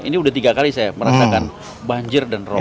ini udah tiga kali saya merasakan banjir dan ramadan